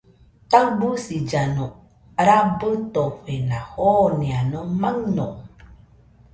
Taɨbɨsillano rabɨtofena jooeno maɨño